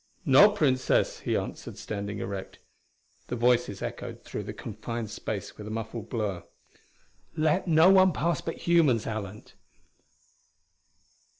"No, Princess," he answered, standing erect. The voices echoed through the confined space with a muffled blur. "Let no one pass but humans, Alent."